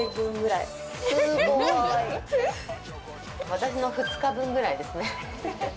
私の２日分ぐらいですね。